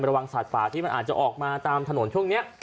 ระวังสัตว์ป่าที่มันอาจจะออกมาตามถนนช่วงนี้